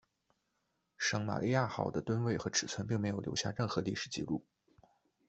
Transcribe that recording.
圣玛利亚号的吨位和尺寸并没有留下任何历史记录。